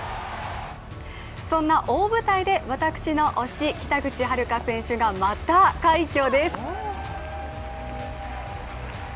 そんな大舞台で私の推し北口榛花選手がまた快挙です。